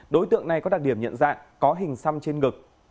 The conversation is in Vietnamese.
đối tượng này có đặc điểm nhận dạng có hình xăm trên ngực